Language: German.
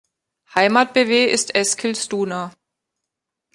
Heimat-Bw ist Eskilstuna.